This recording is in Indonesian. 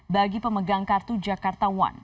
bagi pemegang kartu jakarta one